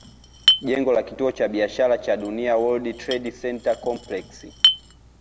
Jengo la Kituo cha Biashara cha Dunia World Trade Center complex